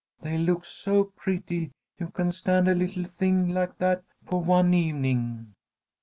They look so pretty you can stand a little thing like that for one evening."